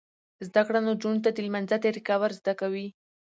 زده کړه نجونو ته د لمانځه طریقه ور زده کوي.